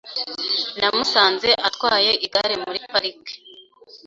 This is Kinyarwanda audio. Namusanze atwaye igare muri parike .